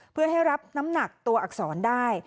เพื่อให้รับน้ำหนักตัวอักษรได้